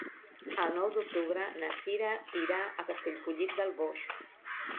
El nou d'octubre na Cira irà a Castellfollit del Boix.